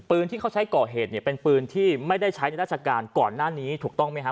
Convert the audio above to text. ที่เขาใช้ก่อเหตุเนี่ยเป็นปืนที่ไม่ได้ใช้ในราชการก่อนหน้านี้ถูกต้องไหมฮะ